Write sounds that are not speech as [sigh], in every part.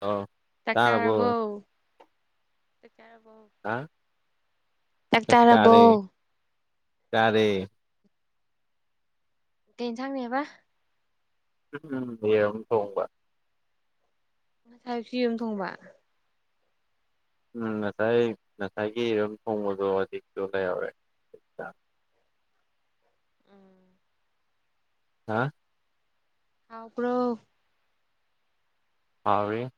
ꯑ ꯆꯥꯛ ꯇꯥꯔꯕꯣ ꯆꯥꯔꯕꯣ ꯆꯥꯛ ꯆꯥꯔꯕꯣ ꯑ ꯆꯥꯛ ꯆꯛ ꯆꯥꯔꯕꯣ ꯆꯥꯔꯦ ꯆꯥꯔ‌ꯦ ꯀꯩ ꯏꯟꯁꯥꯡꯅꯦꯕ ꯎꯝꯝ ꯇꯉꯕ ꯊꯥꯏꯐ ꯌꯅ ꯊꯣꯡꯕ ꯎꯝ ꯉꯁꯥꯏ ꯉꯁꯥꯏꯒꯤꯔꯨꯝ ꯊꯣꯡꯕꯗꯣ ꯍꯧꯖꯤꯛꯇꯁꯨ ꯂꯩꯍꯧꯔꯦ ꯑ ꯎꯝ ꯍꯥ ꯑ꯭ꯔꯣ ꯍꯦ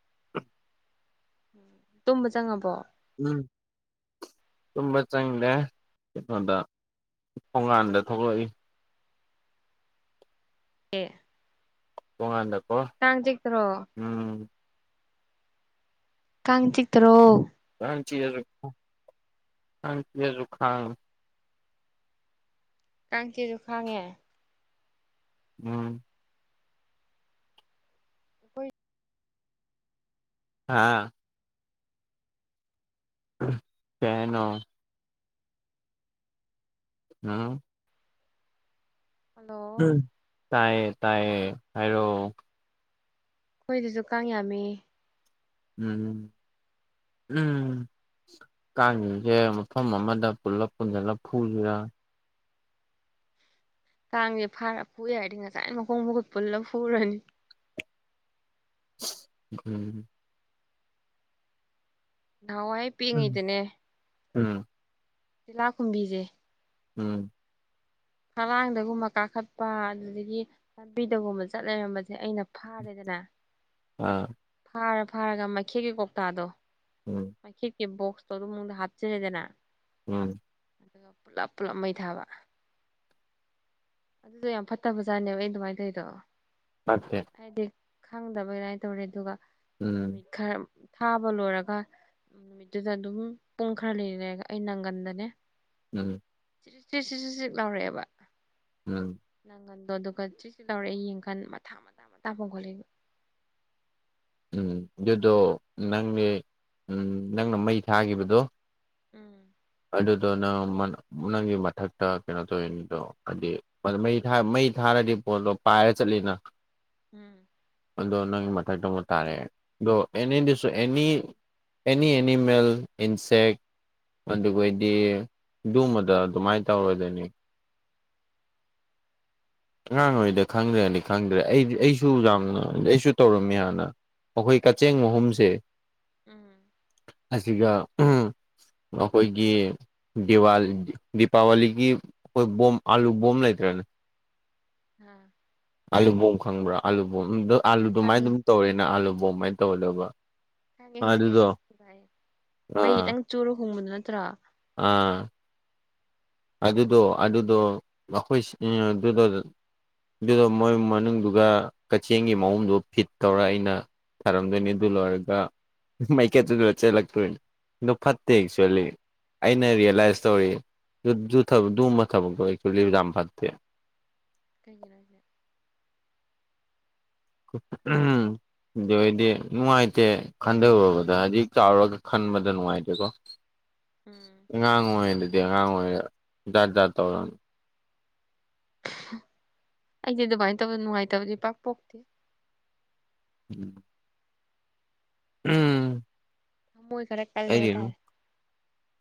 ꯇꯨꯝꯕ ꯆꯪꯉꯕꯣ ꯎ ꯇꯕ ꯆꯪꯗꯦ ꯀꯩꯅꯣꯗ ꯊꯣꯡꯉꯥꯟꯗ ꯊꯣꯛꯂꯛꯏ ꯑꯦ ꯄꯣꯡꯉꯥꯟꯗ ꯇꯥꯡ ꯆꯛꯇ꯭ꯔꯣ ꯀꯪ ꯆꯤ ꯇꯔꯣ ꯆ ꯍ ꯆꯖꯨꯈꯥꯡ ꯀꯥꯡ ꯀꯦꯁꯨ ꯈꯥꯡꯉꯦ ꯎꯝ ꯍꯣꯏ ꯑꯥ ꯀꯦꯩꯅꯣ ꯑꯥ ꯍꯜꯂꯣ ꯇꯥꯏꯌꯦ ꯇꯥꯏꯌꯦ ꯍꯥꯏꯔꯣ ꯑꯩꯈꯣꯏꯗꯨꯁꯨ ꯀꯥꯡ ꯌꯥꯝꯃꯤ ꯎꯝ ꯎꯝ ꯀꯥꯡꯁꯦ ꯃꯐꯝ ꯑꯃꯗ ꯄꯨꯂꯞ ꯄꯨꯟꯁꯤꯜꯂ ꯐꯨꯁꯤꯔꯥ ꯀꯥꯡꯁꯦ ꯐꯥꯔ ꯐꯨꯏꯦ ꯍꯥꯏꯔꯗꯤ ꯉꯁꯥꯏꯅ ꯃꯈꯣꯡ ꯃꯈꯨꯠ ꯄꯨꯜꯂ ꯐꯨꯔꯅꯤ ꯎꯝ ꯅꯍꯥꯟꯋꯥꯏ ꯎꯝ ꯄꯦꯡꯉꯤꯗꯅꯦ ꯎꯝ ꯇꯤꯂꯥꯈꯨꯝꯕꯤꯁꯦ ꯎꯝ ꯍꯂꯥꯡꯗꯒꯨꯝꯕ ꯀꯥꯈꯠꯄ ꯑꯗꯨꯗꯒꯤ ꯂꯝꯥꯟꯕꯤꯗꯒꯨꯝꯕ ꯆꯠ ꯂꯩꯔꯝꯕꯁꯦ ꯑꯩꯅ ꯐꯥꯔꯦꯗꯅ ꯑ ꯑꯝ ꯐꯥꯔ ꯐꯥꯔꯒ ꯃꯩꯈꯦꯒꯤ ꯀꯧꯇꯥꯗꯣ ꯎꯝ ꯣꯛꯁꯇꯗ ꯃꯗ ꯍꯥ ꯆ ꯂꯩꯗꯅ ꯎꯝ ꯑꯗꯨꯒ ꯄꯨꯂꯞ ꯄꯨꯜꯂꯞ ꯃꯩ ꯊꯥꯕ ꯑꯗꯨꯗ ꯌꯥꯝ ꯐꯠꯇꯕ ꯖꯥꯠꯅꯦꯕ ꯑꯩ ꯑꯗꯨꯃꯥꯏꯅ ꯇꯧꯔꯤꯗꯣ ꯐꯀꯦ ꯈꯪꯗꯕ ꯑꯗꯨꯃꯥꯏꯅ ꯇꯧꯔꯦ ꯑꯗꯨꯒ ꯎꯝ ꯅꯨꯠ ꯈꯔ ꯊꯥꯕ ꯂꯣꯏꯔꯒ ꯅꯨꯃꯤꯠꯇꯨꯗ ꯑꯗꯨꯝ ꯄꯨꯡ ꯈꯔ ꯂꯩꯔꯒ ꯑꯩ ꯅꯪꯒꯟꯗꯅꯦ ꯎꯝ ꯁꯤꯔꯤ ꯊ꯭ꯔꯤ ꯁꯤ ꯁꯤꯛ ꯂꯧꯔꯛꯑꯦꯕ ꯎꯝ ꯅꯪ ꯑꯗꯣ ꯑꯗꯨꯒ ꯁꯤꯁꯨ ꯇꯧꯔꯛꯦ ꯌꯦꯡ ꯈꯟ ꯃꯊꯥ ꯃꯇ ꯃꯇꯇꯥ ꯐꯣꯡ ꯈꯣꯠꯂꯛꯕ ꯎꯝ ꯑꯗꯨꯗꯣ ꯅꯪꯅꯦ ꯎꯝ ꯅꯪꯅ ꯃꯩ ꯊꯥꯈꯤꯕꯗꯣ ꯎꯝ ꯑꯗꯨꯗꯣ ꯅꯪ ꯅꯪꯒꯤ ꯃꯊꯛꯇ ꯀꯩꯅꯣ ꯇꯧꯋꯅꯤꯗꯣ ꯍꯥꯏꯗꯤꯩ ꯃꯩ ꯊꯥ ꯄꯣꯂꯣ ꯄꯥꯏ ꯆꯠꯂꯤꯅ ꯎꯝ ꯑꯗꯣ ꯅꯪꯒꯤ ꯃꯊꯛꯇ ꯑꯃꯨꯛ ꯇꯥꯔꯛꯑꯦ ꯑꯗꯣ ꯑꯦꯅꯤꯁꯨ ꯑꯦꯅꯤ ꯑꯦꯅꯤ ꯑꯦꯅꯤꯃꯦꯜ ꯏꯟꯁꯦꯦꯛ ꯑꯗꯨꯗꯤ ꯃꯗ ꯑꯗꯨꯃꯥꯏꯅ ꯇꯧꯔꯣꯏꯗꯣꯏꯅꯤ ꯑꯉꯥꯡ ꯑꯣꯏꯔꯤꯗ ꯈꯪꯗ꯭ꯔꯗꯤ ꯈꯪꯗ꯭ꯔꯦ ꯑꯩꯗꯤ ꯑꯩꯁꯨ ꯌꯥꯝꯅ ꯑꯩꯁꯨ ꯇꯧꯔꯝꯃꯤ ꯍꯥꯟꯅ ꯑꯩꯈꯣꯏ ꯀꯛꯆꯦꯡ ꯑꯍꯨꯝꯁꯦ ꯎꯝ ꯑꯁꯤꯒ ꯑꯩꯈꯣꯏꯒꯤ ꯗꯤꯄꯥꯋꯥꯂꯤꯒꯤ ꯣꯏ ꯣ ꯑꯂꯨ ꯣꯝꯝꯕ ꯂꯇꯔꯦꯅꯦ ꯑꯝ ꯑꯥꯂꯨꯕꯝ ꯈꯪꯕ꯭ꯔꯥ ꯑꯥꯂꯨꯕꯝꯣ ꯑꯥꯂꯨꯗꯨꯃꯥꯏꯅ ꯈꯪꯉꯦ ꯑꯗꯨꯝ ꯇꯧꯔꯦꯅ ꯑꯥꯂꯨꯕꯝ ꯃꯥꯏꯅ ꯇꯧꯗꯕ ꯍꯪꯉꯦ ꯍꯪꯉꯦ ꯑꯩꯁꯚꯥꯏ ꯃꯩ ꯑꯥ ꯈꯤꯇꯪ ꯆꯨꯔ ꯍꯣꯡꯕꯗꯨꯣ ꯅꯠꯇ꯭ꯔꯣ ꯑꯥ ꯑꯗꯨꯗꯣ ꯑꯗꯨꯗ ꯑꯩꯈꯣꯏ ꯑꯗꯨꯗ ꯑꯗꯨꯗꯣ ꯃꯣꯢ ꯃꯅꯨꯡꯗꯨꯒ ꯀꯛꯆꯦꯟꯒꯤ ꯃꯑꯣꯡꯗꯨꯒ ꯐꯤꯠ ꯇꯧꯔ ꯑꯩꯅ ꯊꯔꯝꯗꯣꯏꯅꯤ ꯑꯗꯨ ꯂꯣꯏꯔꯒ ꯃꯩꯀꯦꯠꯇꯨ ꯆꯜꯂꯛꯇꯣꯏꯅꯦ ꯑꯗꯣ ꯐꯠꯇꯦ ꯑꯦꯛꯆꯨꯋꯦꯜꯂꯤ ꯑꯩꯅ ꯔꯤꯌꯦꯂꯥꯏꯁ ꯇꯧꯔꯤ ꯗꯨ ꯊꯕꯛ ꯗꯨꯝꯕ ꯊꯕꯛꯇꯨ [unintelligible] ꯐꯠꯇꯦ ꯀꯩꯒꯤꯅꯣꯍꯥꯢꯖꯦ ꯎꯝ ꯑꯗꯨ ꯑꯣꯏꯗꯤ ꯅꯨꯡꯉꯥꯏꯇꯦ ꯈꯟꯊꯔꯨꯕꯗ ꯍꯥꯏꯗꯤꯛ ꯆꯥꯎꯔꯒ ꯈꯟꯕꯗ ꯅꯨꯡꯉꯥꯏꯇꯦꯀꯣ ꯎꯝ ꯑꯉꯥꯡ ꯑꯣꯏꯔꯩꯗꯗꯤ ꯑꯉꯥꯡ ꯑꯣꯏꯔꯩ ꯖꯥꯠ ꯖꯥꯠ ꯇꯧꯔꯅꯤ ꯑꯩꯗꯤ ꯑꯗꯨꯃꯥꯏꯅ ꯇꯧꯕ ꯅꯨꯡꯉꯥꯏꯇꯕꯗꯤ ꯄꯥꯛ ꯄꯣꯛꯇꯦ ꯎꯝ ꯎꯝ ꯊꯃꯣꯏ ꯈꯔ ꯀꯜꯂꯦ ꯑꯩꯗꯤ ꯍꯥꯏꯇꯥꯔꯦ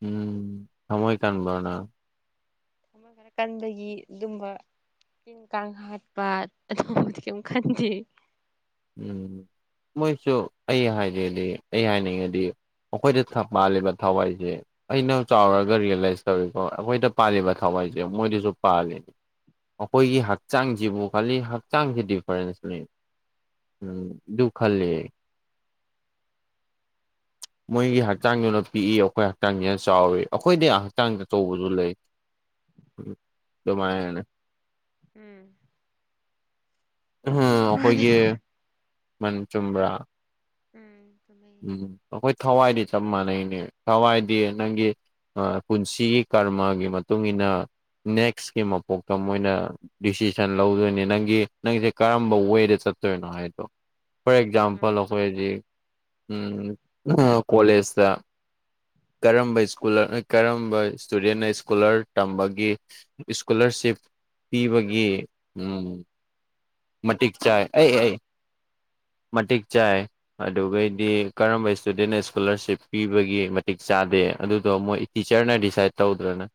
ꯎꯝ ꯊꯃꯣꯢ ꯀꯥꯟꯕꯅ ꯑꯃ ꯈꯔ ꯀꯟꯕꯒꯤ ꯑꯗꯨꯝꯕ ꯀꯥꯡ ꯍꯥꯠꯄ ꯑꯗꯨꯒꯕꯗꯤ ꯀꯩꯝ ꯈꯟꯗꯦ ꯎꯝ ꯃꯣꯏꯁꯨ ꯑꯩ ꯍꯥꯏꯖꯦꯗꯤ ꯑꯩ ꯍꯥꯏꯅꯤꯡꯉꯗꯤ ꯑꯩꯈꯣꯏꯗ ꯄꯥꯜꯂꯤꯕ ꯊꯋꯥꯏꯁꯦ ꯑꯩꯅ ꯎꯝ ꯆꯥꯎꯔꯒ ꯔꯤꯌꯦꯂꯥꯏꯁ ꯇꯧꯔꯤꯁꯦ ꯍ ꯑꯩꯈꯣꯏꯗ ꯄꯥꯜꯂꯤꯕ ꯊꯋꯥꯏꯁꯦ ꯃꯣꯏꯗꯁꯨ ꯄꯥꯜꯂꯤꯅꯦ ꯑꯩꯈꯣꯏꯒꯤ ꯍꯛꯆꯥꯡꯁꯤꯕꯨ ꯈꯜꯂꯤ ꯍꯛꯆꯥꯡꯁꯤ ꯗꯤꯐꯔꯦꯟꯁ ꯂꯩ ꯎꯝ ꯗꯨ ꯈꯜꯂꯦ [inaudible] ꯃꯣꯏꯒꯤ ꯍꯛꯆꯥꯡꯗꯨꯅ ꯄꯤꯛꯏ ꯑꯩꯈꯣꯏ ꯍꯛꯆꯥꯡꯁꯤ ꯌꯥꯝ ꯆꯥꯎꯋ ꯑꯩꯈꯣꯏꯗꯤ ꯍꯛꯆꯥꯡꯗ ꯇꯧꯕꯁꯨ ꯂꯩ ꯗꯨꯃꯥꯢ ꯍꯥꯏꯅ ꯎꯝ ꯎ ꯃꯥꯅꯦ ꯑꯩꯈꯣꯏꯒꯤ ꯃꯟ ꯆꯨꯝꯕ꯭ꯔꯥ ꯎꯝ ꯆꯨꯝꯃꯦꯌꯦ ꯎꯝ ꯑꯩꯈꯣꯏ ꯊꯋꯥꯏꯗꯤ ꯆꯞ ꯃꯥꯟꯅꯩꯅꯦ ꯊꯋꯥꯏꯗꯤ ꯅꯪꯒꯤ ꯄꯨꯟꯁꯤꯒꯤ ꯀꯔꯃꯒꯤ ꯃꯇꯨꯡꯏꯟꯅ ꯅꯦꯛꯁꯀꯤ ꯃꯄꯣꯛꯇ ꯃꯣꯏꯅ ꯗꯤꯁꯤꯖꯟ ꯂꯧꯗꯣꯏꯅꯤ ꯅꯪꯒꯤ ꯅꯪꯁꯦ ꯀꯔꯝꯕ ꯋꯦꯗ ꯐꯣꯔ ꯎꯝ ꯑꯦꯛꯖꯥꯝꯄꯜ ꯀꯣꯂꯦꯖꯗ ꯀꯔꯝꯕ ꯏꯁꯀꯨ ꯀꯔꯝꯕ ꯏꯁꯇꯨꯗꯦꯟꯅ ꯏꯁꯀꯣꯂꯔ ꯇꯝꯕꯒꯤ ꯏꯁꯀꯨꯂꯔ ꯁꯤꯞ ꯄꯤꯕꯒꯤ ꯎ ꯃꯇꯛ ꯆꯥꯏ ꯑꯦ ꯑꯦ ꯎ ꯃꯇꯤꯛ ꯆꯥꯏ ꯑꯗꯨꯒꯩꯗꯤ ꯀꯔꯝꯕ ꯏꯁꯇꯨꯗꯦꯟꯅ ꯏꯁꯀꯣꯂꯥꯔꯁꯤꯞ ꯄꯤꯕꯒꯤ ꯃꯇꯤꯛ ꯆꯥꯗꯦ ꯑꯗꯨꯗꯣ ꯃꯣꯏ ꯇꯤꯆꯔꯅ ꯗꯤꯁꯥꯏꯠ ꯇꯧꯗ꯭ꯔꯅꯦ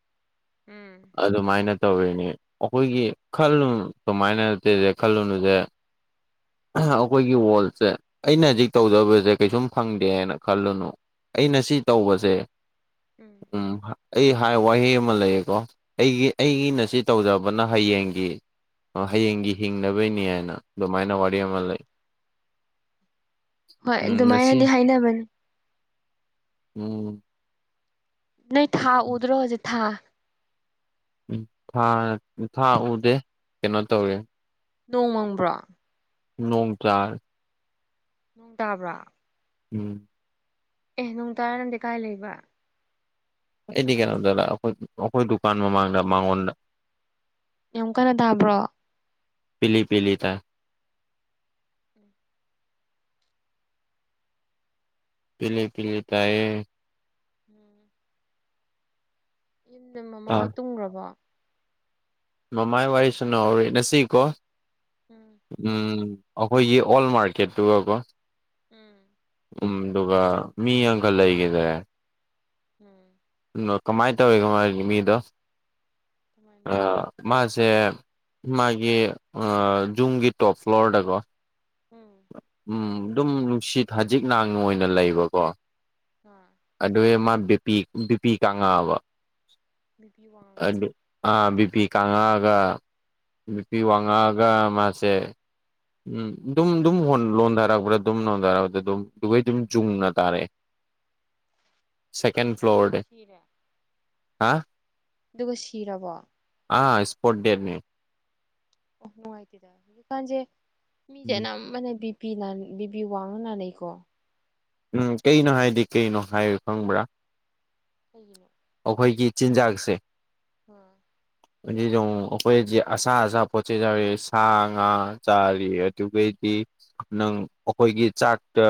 ꯎꯝ ꯑꯗꯨꯃꯥꯏꯅ ꯇꯧꯔꯤꯅꯤ ꯑꯩꯈꯣꯏꯒꯤ ꯈꯜ ꯀꯃꯥꯏꯅ ꯈꯜꯂꯨꯅꯨꯗꯦ ꯑꯩꯈꯣꯏꯒꯤ ꯋꯥꯔꯜꯁꯦ ꯑꯩꯅ ꯍꯧꯖꯤꯛ ꯇꯧꯖꯕꯁꯦ ꯀꯩꯁꯨꯝ ꯐꯪꯗꯦ ꯍꯥꯏꯅ ꯈꯜꯂꯨꯅꯨ ꯑꯩꯅ ꯁꯤ ꯇꯧꯕꯁꯦ ꯎꯝ ꯎ ꯑꯩ ꯍꯥꯏ ꯋꯥꯍꯩ ꯑꯃ ꯂꯩꯌꯦꯀꯣ ꯑꯩꯒꯤ ꯑꯩꯒꯤꯅ ꯁꯤ ꯇꯧꯖꯕꯅ ꯍꯌꯦꯡꯒꯤ ꯍꯌꯦꯡꯒꯤ ꯍꯤꯡꯅꯕꯩꯅꯤ ꯍꯥꯏꯅ ꯃꯥꯏꯅ ꯋꯥꯔꯤ ꯑꯃ ꯂꯩ ꯍꯣꯏ ꯎꯝ ꯉꯁꯤ ꯑꯗꯨꯃꯥꯏꯅꯗꯤ ꯍꯥꯏꯅꯕꯅꯦ ꯎꯝ ꯅꯣꯢ ꯊꯥ ꯎꯗꯔꯣ ꯍꯧꯖꯤꯛ ꯊꯥ ꯎꯝ ꯊꯥ ꯎꯗꯦ ꯀꯩꯅꯣ ꯇꯧꯔꯦ ꯅꯣꯡꯃꯪꯕ꯭ꯔꯣ ꯅꯣꯡ ꯆꯥ ꯅꯨꯡ ꯇꯥꯕ꯭ꯔꯥ ꯎꯝ ꯑꯦ ꯅꯅꯨꯡ ꯇꯔꯥꯅꯪꯗꯤ ꯀꯥꯏ ꯂꯩꯕ ꯑꯩꯗꯤ ꯀꯩꯅꯣ ꯗꯗ ꯑꯩꯈꯣꯏ ꯑꯩꯈꯣꯏ ꯗꯨꯀꯥꯟ ꯃꯃꯥꯡꯗ ꯃꯉꯣꯟꯗ ꯅꯨꯛ ꯀꯟꯅ ꯇꯥꯕ꯭ꯔꯣ ꯄꯂꯤ ꯄꯂꯤ ꯇ ꯄꯂꯦ ꯄꯤꯂꯦ ꯇꯑ ꯎꯝ ꯌꯨꯝꯗ ꯃꯃꯥ ꯑꯥ ꯍꯣꯏ ꯇꯨꯡꯈ꯭ꯔꯕꯣ ꯃꯃꯥꯏ ꯋꯥꯔꯤ ꯁꯅꯍꯧꯔꯦꯅꯁꯤꯀꯣ ꯎꯝ ꯎꯝ ꯑꯩꯈꯣꯏꯒꯤ ꯑꯣꯜ ꯃꯥꯔꯀꯦꯠꯇꯨꯒꯀꯣ ꯎꯝ ꯎꯝ ꯑꯗꯨꯒ ꯃꯤ ꯑꯪꯀꯜ ꯂꯩꯒꯗꯦ ꯎꯝ ꯣ ꯀꯃꯥꯏꯅ ꯇꯧꯋꯣ ꯃꯥ ꯃꯤꯗꯣ ꯑ ꯃꯥꯁ ꯁꯦ ꯃꯥꯒꯤ ꯖꯨꯝꯒꯤ ꯇꯣꯞ ꯐ꯭ꯂꯣꯔꯗꯀꯣ ꯎꯝ ꯑꯗꯨꯝ ꯅꯨꯡꯁꯤꯠ ꯊꯖꯤꯛ ꯥꯡꯅ ꯑꯣꯏꯅ ꯂꯩꯕꯀꯣ ꯍꯣꯏ ꯑꯗꯨ ꯃꯥ ꯕꯤꯄꯤ ꯕꯤꯄꯤ ꯀꯥꯡꯉꯥꯕ ꯕꯤꯄꯤ ꯋꯥꯡꯉꯛꯄ ꯕꯤꯄꯤ ꯀꯉꯛꯑꯒ ꯅꯨꯄꯤ ꯋꯥꯡꯉꯛꯑꯒ ꯃꯥꯁꯦ ꯎꯝ ꯑꯗꯨꯝ ꯑꯗꯨꯝ ꯂꯣꯟꯊꯔꯛꯄ꯭ꯔꯥ ꯑꯗꯨꯝ ꯂꯣꯟꯊꯔꯛꯄꯗ ꯑꯗꯨꯝ ꯑꯗꯨꯒꯩ ꯑꯗꯨꯝ ꯆꯨꯡꯅ ꯇꯥꯔꯛꯑꯦ [inaudible] ꯁꯦꯀꯦꯟ ꯑꯗꯨ ꯐ꯭ꯂ꯭ꯂꯣꯔ ꯗ ꯁꯤꯔꯦ ꯍꯥ ꯑꯗꯨꯒ ꯁꯤꯔꯕꯣ ꯑ ꯏꯁꯄꯣꯔꯠ ꯗꯦꯅꯤ ꯑꯣ ꯅꯨꯡꯉꯥꯏꯇꯦꯗ ꯍꯧꯖꯤꯀꯥꯟꯁꯦ ꯎꯝ ꯃꯤꯁꯦꯅ ꯃꯅꯦ ꯄꯕꯤꯡꯅꯤꯀꯣ ꯎꯝ ꯀꯩꯅꯣ ꯍꯥꯏꯗꯤ ꯀꯩꯅꯣ ꯍꯥꯏꯌꯨ ꯈꯪꯕ꯭ꯔꯥ ꯀꯒꯤꯅꯣ ꯑꯩꯈꯣꯏꯒꯤ ꯆꯤꯟꯖꯥꯛꯁꯦ ꯑꯝ ꯑꯗꯨ ꯑꯩꯈꯣꯏꯗꯤ ꯑꯁꯥ ꯑꯁꯥ ꯄꯣꯠ ꯆꯩꯩ ꯌꯥꯎꯔꯤ ꯁꯥ ꯉꯥ ꯆꯥꯔꯤ ꯑꯗꯨꯒꯩꯗꯤ ꯅꯪ ꯑꯩꯈꯣꯏꯒꯤ ꯆꯥꯛꯇ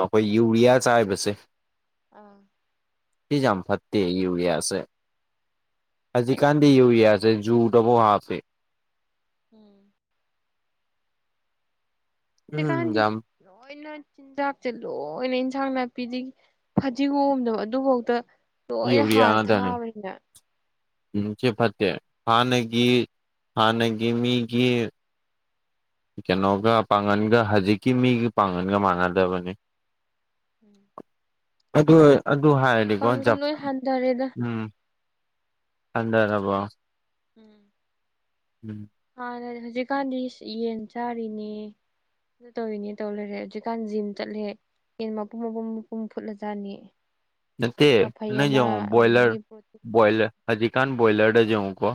ꯑꯩꯈꯣꯏ ꯌꯨꯔꯤꯌꯥ ꯆꯥꯏꯕꯁꯦ ꯑꯥ ꯁꯤꯖꯝ ꯐꯠꯤ ꯌꯎꯔꯤꯌꯥ ꯑꯦ ꯑꯖꯤ ꯀꯥꯟꯗꯤ ꯌꯏ ꯌꯥꯌꯥꯦ ꯖꯨ ꯗꯕꯣ ꯍꯥꯐꯦ ꯎꯝ ꯎꯝ ꯍꯧꯖꯤꯀꯥꯟꯗꯤ ꯌꯥꯝ ꯀꯔꯤꯅꯣ ꯆꯤꯟꯖꯥꯛꯁꯦ ꯂꯣꯏꯅ ꯏꯟꯁꯥꯡ ꯅꯥꯄꯤꯗꯤ ꯐꯗꯤꯒꯣꯝꯗꯕ ꯑꯗꯨꯐꯥꯎꯗ ꯂꯣꯏꯅ ꯌꯨꯔꯤꯌꯥ ꯍꯥꯔ ꯉꯥꯛꯇꯅꯦ ꯊꯥꯕꯅꯤꯅ ꯎꯝ ꯏꯆꯦ ꯐꯠꯇꯦ ꯍꯅꯒꯤ ꯍꯅꯒꯤ ꯃꯤꯒꯤ ꯀꯩꯅꯣꯒ ꯄꯥꯡꯒꯟꯒ ꯍꯧꯖꯤꯛꯀꯤ ꯃꯤꯒ ꯄꯥꯡꯒꯟꯒ ꯃꯥꯟꯅꯗꯕꯅꯤ ꯎꯝ ꯑꯗꯨ ꯑꯗꯨ ꯍꯥꯏꯔꯗꯤꯀꯣ ꯖ ꯂꯣꯏ ꯍꯟꯊꯔꯦꯗ ꯎꯝ ꯑꯗꯅꯕꯣ ꯎꯝ ꯎꯝ ꯍꯥꯟꯅꯥ ꯍꯧꯖꯤꯛꯀꯥꯟꯗꯤ ꯌꯦꯟ ꯆꯥꯔꯤꯅꯦ ꯇꯧꯔꯤꯅꯦ ꯇꯧ ꯂꯩꯔꯦ ꯍꯧꯖꯤꯛꯀꯥꯟ ꯖꯤꯝ ꯆꯠꯂꯦ ꯌꯦꯟ ꯃꯄꯨꯝ ꯃꯄꯨꯝꯨꯝ ꯐꯨꯠꯂꯖꯥꯠꯅꯤ ꯅꯠꯇ‌ꯦ ꯅꯪ ꯌꯥꯡꯉ‌ꯣ ꯑꯗꯨꯗꯒꯤ ꯄ꯭ꯔꯣꯇꯤꯟ ꯊꯛꯏ ꯕ‌ꯣꯏꯂꯔ ꯕ‌ꯣꯌꯂꯔ ꯖꯍꯨ ꯀꯣ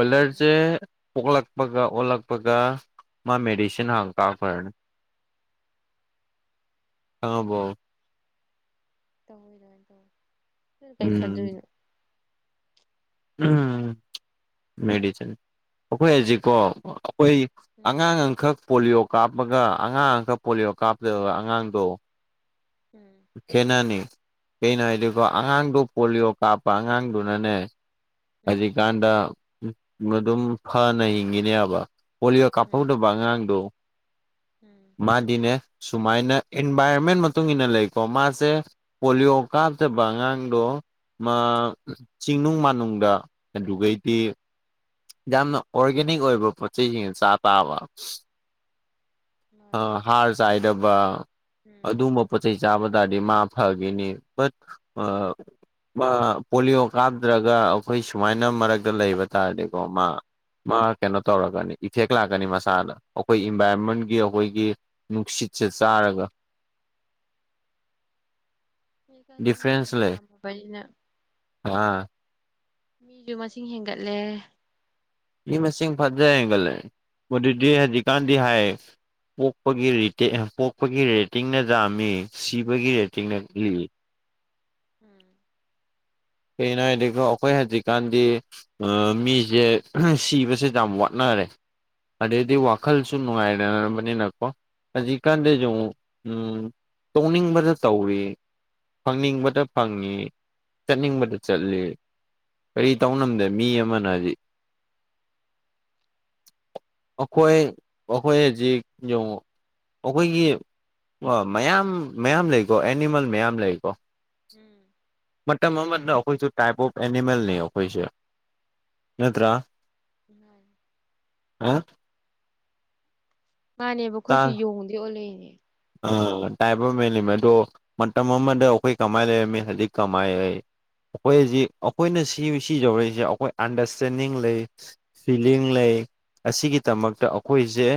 ꯣꯂꯔꯁꯦ ꯎꯝ ꯑꯣꯣꯛꯂꯛꯄꯒ ꯑꯣꯜꯂꯛꯄꯒ ꯃꯥ ꯃꯦꯗꯤꯁꯤꯟ ꯍꯥꯡ ꯀꯥꯞꯈ꯭ꯔꯅꯤ ꯀꯥꯕꯣ ꯇꯧ ꯇ ꯀ ꯎꯝ ꯐꯖꯅꯣ ꯎꯝ ꯃꯦꯗꯤꯁꯤꯟ ꯑꯩꯈꯣꯏ ꯍꯧꯖꯤꯀꯣ ꯑꯣꯏꯣꯏ ꯎꯝ ꯑꯉꯥꯡ ꯑꯃꯈꯛ ꯄꯣꯂꯤꯑꯣꯣ ꯀꯥꯞꯄꯒ ꯑꯉꯥꯡ ꯑꯃꯈ ꯄꯣꯂꯤꯑꯣ ꯀꯥꯞꯇꯕ ꯑꯉꯥꯡꯗꯣ ꯎꯝ ꯈꯅꯅꯤ ꯀꯩꯅꯣ ꯍꯥꯏꯗꯤꯀꯣ ꯑꯉꯥꯡꯗꯨꯣ ꯄꯣꯂꯤꯑꯣ ꯀꯥꯞꯄ ꯑꯉꯥꯡꯗꯨꯅꯅꯦ ꯎꯝ ꯍꯧꯖꯤꯛꯀꯥꯟꯗ ꯑꯗꯨꯝ ꯐꯅ ꯍꯤꯡꯉꯤꯅꯦꯕ ꯄꯣꯂꯤꯌꯑꯣꯣ ꯀꯞꯄꯕꯨꯣ ꯉꯥꯡꯨ ꯎꯝ ꯎꯝ ꯃꯥꯗꯤꯅꯦ ꯁꯨꯃꯥꯏꯅ ꯎꯝ ꯏꯟꯚꯥꯏꯔꯣꯟꯃꯦꯟ ꯃꯇꯨꯡ ꯂꯩꯀꯣ ꯃꯥꯁꯦ ꯄꯣꯂꯤꯑꯣ ꯀꯥꯞꯇꯕ ꯑꯉꯥꯡꯗꯣ ꯆꯤꯡꯅꯨꯡ ꯃꯥꯅꯨꯡ ꯑꯗꯨꯩꯗꯤ ꯌꯥꯝꯅ ꯑꯣꯔꯒꯥꯦꯅꯤꯛ ꯑꯣꯏꯕ ꯄꯣꯠ ꯆꯩꯁꯤꯡ ꯆꯥ ꯇꯥꯕ ꯃꯥꯅꯤ ꯍꯥꯔ ꯆꯥꯏꯗꯕ ꯎꯝ ꯑꯗꯨꯒꯨꯝꯕ ꯄꯣꯠꯆꯩ ꯆꯥꯕ ꯇꯥꯔꯗꯤ ꯃꯥ ꯍꯥꯏꯅꯤ ꯑ ꯄꯣꯂꯤꯑꯣ ꯀꯥꯞꯗ꯭ꯔꯒ ꯑꯩꯈꯣꯏ ꯁꯨꯃꯥꯏꯅ ꯃꯔꯛꯇ ꯂꯩꯕ ꯇꯥꯔꯗꯤꯀꯣ ꯃꯥ ꯃꯥ ꯎꯝ ꯀꯩꯅꯣ ꯇꯧꯔꯛꯒꯅꯤ ꯏꯐꯦꯛ ꯂꯥꯛꯀꯅꯤ ꯃꯁꯥꯗ ꯑꯩꯈꯣꯏ ꯏꯟꯚꯥꯏꯔꯣꯟꯃꯦꯟꯒꯤ ꯑꯩꯈꯣꯏꯒꯤ ꯅꯨꯡꯁꯤꯠꯁꯦ ꯆꯥꯔꯒ ꯀ ꯗꯤꯐ꯭ꯔꯦꯟꯁ ꯂꯩ ꯃꯤꯁꯨ ꯑꯥ ꯃꯤꯁꯨꯨ ꯃꯁꯤꯡ ꯍꯦꯟꯒꯠꯂꯦ ꯐꯖꯔꯒꯗꯤ ꯍꯥꯏꯗꯤ ꯀꯥꯟꯗꯤ ꯍꯥꯏ ꯄ ꯄꯣꯛꯄꯒꯤ ꯔꯦꯇꯤꯡꯅ ꯌꯥꯝꯥꯝꯃꯤ ꯁꯤꯕꯒꯤ ꯔꯦꯇꯤꯡꯅ ꯂꯤ ꯎꯝ ꯀꯒꯤꯅꯣ ꯍꯥꯏꯗꯀꯣ ꯑꯩꯈꯣꯏ ꯍꯧꯖꯤꯛꯀꯥꯟꯗꯤ ꯃꯤꯁꯦ ꯁꯤꯕꯁꯦ ꯌꯥꯝ ꯋꯥꯠꯅꯩ ꯐꯔꯦ ꯑꯗꯨꯗꯤ ꯋꯥꯈꯜꯁꯨ ꯅꯨꯡꯉꯥꯏꯅꯔꯕꯅꯤꯅꯀꯣ ꯎꯝ ꯍꯧꯖꯤꯛꯀꯥꯟꯗꯁꯨ ꯑꯃꯨꯛ ꯎꯝ ꯇꯣꯛꯅꯤꯡꯕꯗ ꯇꯧꯏ ꯐꯪꯅꯤꯡꯕꯗ ꯐꯪꯉꯤ ꯆꯠꯅꯤꯡꯕꯗ ꯆꯠꯂꯤ ꯀꯔꯤ ꯇꯧꯅꯝꯗꯦ ꯃꯤ ꯑꯃꯅ ꯍꯥꯏꯗꯤ [inaudible] ꯑꯩꯈꯣꯏ ꯑꯩꯈꯣꯏ ꯍꯧꯖꯤꯛ ꯌꯦꯉ‌ꯣ ꯑꯩꯈꯣꯏꯒꯤ ꯃꯌꯥꯝ ꯃꯌꯥꯝ ꯂꯩꯀꯣ ꯑꯦꯅꯤꯃꯦꯜ ꯃꯌꯥꯝ ꯂꯩꯀꯣ ꯎꯝ ꯃꯇꯝ ꯑꯃꯗ ꯑꯩꯈꯣꯏꯁꯨ ꯇꯥꯏꯞ ꯑꯣꯐ ꯑꯦꯅꯤꯃꯦꯜꯅꯤ ꯑꯩꯈꯣꯏꯁꯦ ꯅꯠꯇ꯭ꯔꯥ ꯎꯝ ꯍꯥ ꯃꯥꯅꯦꯕ ꯑꯩꯈꯣꯏꯁꯨ ꯌꯣꯡꯗꯗꯤ ꯑꯣꯜꯂꯛꯏꯅꯦ ꯑꯥ ꯇꯥꯏꯞ ꯑꯣ ꯃꯦꯜꯂꯤꯃꯦ ꯑꯗꯣ ꯃꯇꯝ ꯑꯃꯗ ꯑꯩꯈꯣꯏ ꯀꯃꯥꯏ ꯂꯩꯔꯝꯃꯤ ꯍꯧꯖꯤꯛ ꯀꯃꯥꯏ ꯑꯩꯈꯣꯏ ꯍꯧꯖꯤꯛ ꯑꯩꯈꯣꯏꯅ ꯁꯤ ꯁꯤ ꯌꯧꯔꯛꯏꯁꯦ ꯑꯩꯈꯣꯏ ꯑꯟꯗꯔꯁꯇꯦꯟꯗꯤꯡ ꯂꯩ ꯐꯤꯂꯤꯡ ꯂꯩ ꯑꯁꯤꯒꯤꯗꯃꯛꯇ ꯑꯩꯈꯣꯏꯁꯦ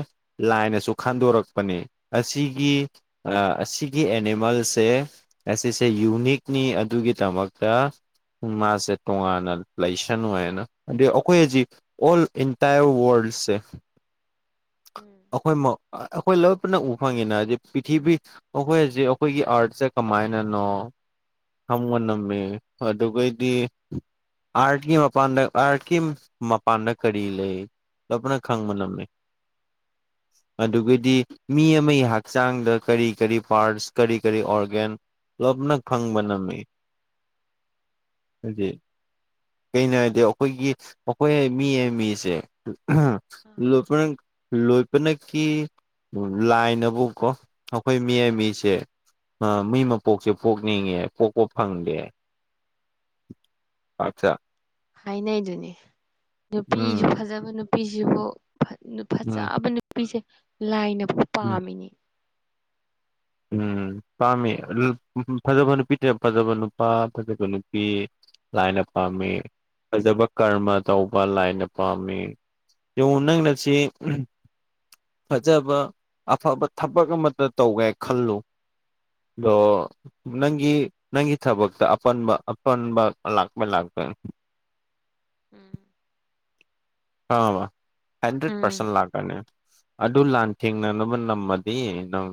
ꯂꯥꯏꯅꯁꯨ ꯈꯟꯗꯣꯔꯛꯄꯅꯤ ꯑꯁꯤꯒꯤ ꯑꯁꯤꯒꯤ ꯑꯦꯅꯤꯃꯦꯜꯁꯦ ꯑꯁꯤꯁꯦ ꯌꯨꯅꯤꯛꯅꯤ ꯑꯗꯨꯒꯤꯗꯃꯛ ꯆ ꯃꯥꯁꯦ ꯇꯣꯉꯥꯟꯅ ꯂꯩꯁꯟ ꯑꯣꯏꯌꯦꯅ ꯑꯗꯩ ꯑꯩꯈꯣꯏ ꯍꯧꯖꯤꯛ ꯑꯣꯜ ꯏꯟꯇꯥꯌꯔ ꯋꯥꯔꯜꯗ ꯎꯝ ꯑꯩꯈꯣꯏ ꯑꯩꯈꯣꯏ ꯂ ꯄꯨꯅ ꯎꯕ ꯐꯪꯉꯤꯅ ꯄ꯭ꯔꯤꯊꯤꯕꯤ ꯑꯩꯈꯣꯏ ꯍꯧꯖꯤꯛ ꯑꯩꯈꯣꯏꯒꯤ ꯑꯥꯔꯠꯁꯦ ꯀꯃꯥꯏꯅꯅꯣ ꯍꯒ ꯅꯝꯃꯦ ꯑꯗꯨꯒꯩꯗꯤ ꯑꯥꯔꯠꯀꯤ ꯃꯄꯥꯟꯗ ꯑꯥꯔꯠꯀꯤ ꯃꯄꯥꯟꯗ ꯀꯔꯤ ꯂꯩ ꯅ ꯈꯪ ꯃꯅ ꯑꯝꯅꯤ [inaudible] ꯎꯝ ꯑꯗꯨꯒꯗꯤ ꯃꯤ ꯑꯃ ꯑꯩꯍꯥꯛ ꯍꯛꯆꯥꯡꯗ ꯀꯔꯤ ꯀꯔꯤ ꯄꯥꯔꯠꯁ ꯀꯔꯤ ꯀꯔꯤ ꯑꯣꯔꯒꯦꯟ ꯂꯣꯞꯅ ꯐꯪꯕ ꯅꯝꯃꯤ [unintelligible] ꯖꯤ ꯀꯩꯅꯣ ꯍꯥꯏꯗꯤ ꯑꯩꯈꯣꯏꯒꯤ ꯑꯩꯈꯣꯏ ꯃꯤ ꯑꯃ ꯃꯤꯁꯦ ꯑ ꯂ ꯂꯣꯏꯕꯅꯀꯤ ꯂꯥꯏꯟꯕꯨ ꯀꯣ ꯑꯩꯈꯣꯏ ꯃꯤ ꯑꯏ ꯃꯤꯁꯦ ꯃꯤ ꯎꯝ ꯃꯄꯣꯛꯁꯦ ꯄꯣꯛꯅꯤꯡꯉꯦꯕ ꯀꯣ ꯀꯣ ꯐꯪꯗꯦ ꯑꯠꯆꯥ ꯍꯥꯏꯅꯩꯗꯨꯅꯤ ꯅꯨꯄꯤꯁꯨ ꯎꯝ ꯐꯖꯕ ꯅꯨꯄꯤꯁꯤꯕꯨ ꯎꯝ ꯐꯖꯕ ꯅꯨꯄꯤꯁꯦ ꯂꯥꯏꯅꯕꯨ ꯎꯝ ꯄꯥꯝꯃꯤꯅꯦ ꯎꯝ ꯄꯥꯝꯃꯤ ꯐꯖꯕ ꯅꯨꯄꯤꯗ ꯐꯖꯕ ꯅꯨꯄꯥ ꯐꯖꯕ ꯅꯨꯄꯤ ꯂꯥꯏꯅꯄꯥꯝꯃꯤ ꯐꯖꯕ ꯀꯔꯃ ꯃꯥꯅꯤ ꯇꯧꯕ ꯂꯥꯏꯅ ꯄꯥꯝꯃꯤ ꯌꯦꯕꯨ ꯅꯪꯅ ꯁꯤ ꯐꯖꯕ ꯑꯐꯕ ꯊꯕꯛ ꯑꯃꯇ ꯇꯧꯒꯦ ꯈꯜꯂꯨ ꯑꯗꯣ ꯅꯪꯒꯤ ꯅꯪꯒꯤ ꯊꯕꯛꯇ ꯑꯄꯟꯕ ꯑꯄꯟꯕ ꯂꯥꯛꯄ ꯂꯥꯛꯄ ꯑ ꯎꯝ ꯑ ꯍꯟꯗ꯭ꯔꯦꯠ ꯎꯝ ꯄꯥꯔꯁꯦꯟ ꯂꯥꯛꯀꯅꯤ ꯑꯗꯨ ꯂꯥꯟꯊꯦꯡꯅꯅꯕ ꯅꯝꯃꯗꯤ ꯅꯪ